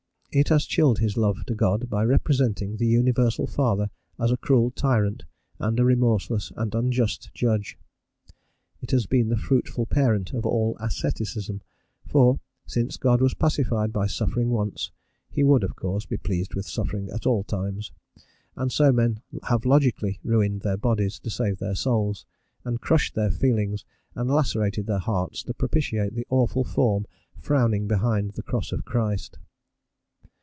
It has chilled his love to God by representing the universal father as a cruel tyrant and a remorseless and unjust judge. It has been the fruitful parent of all asceticism, for, since God was pacified by suffering once, he would, of course, be pleased with suffering at all times, and so men have logically ruined their bodies to save their souls, and crushed their feelings and lacerated their hearts to propitiate the awful form frowning behind the cross of Christ.